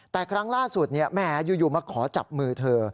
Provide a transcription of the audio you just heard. แต่ครั้งล่าสุดแหมอยู่มาขอจับมือเธอ